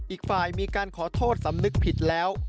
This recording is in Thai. อีกฝ่ายมีการขอโทษสำนึกผิดแล้ว